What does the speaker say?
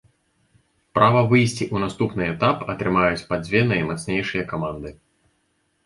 Права выйсці ў наступны этап атрымаюць па дзве наймацнейшыя каманды.